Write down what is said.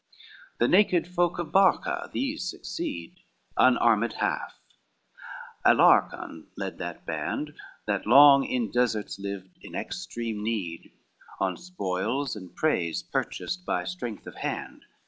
XIX The naked folk of Barca these succeed, Unarmed half, Alarcon led that band, That long in deserts lived, in extreme need, On spoils and preys purchased by strength of hand.